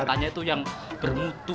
tanya tuh yang bermutu